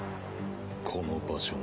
この場所も。